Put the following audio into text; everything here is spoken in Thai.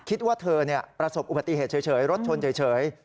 คิดว่าเธอประสบอุบัติเหตุเฉยรถชนเฉย